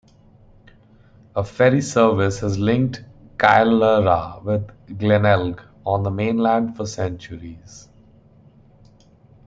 A ferry service has linked Kylerhea with Glenelg on the mainland for centuries.